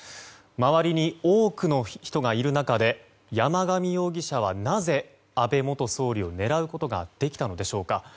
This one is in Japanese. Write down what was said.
周りに多くの人がいる中で山上容疑者は、なぜ安倍元総理を狙うことができたのでしょうか。